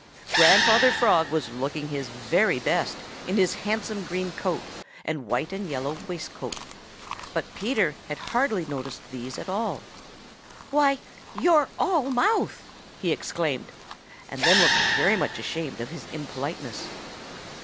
Grandfather Frog was looking his very best in his handsome green coat and white and yellow waistcoat. But Peter had hardly noticed these at all. "Why, you're all mouth!" he exclaimed, and then looked very much ashamed of his impoliteness.